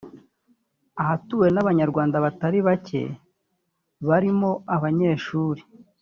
ahatuwe n’abanyarwanda batari bake barimo abanyeshuri